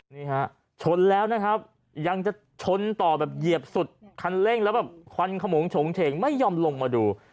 นี่ฮะชนแล้วนะครับยังจะชนต่อแบบเหยียบสุดคันเร่งแล้วแบบควันขมงโฉงเฉงไม่ยอมลงมาดู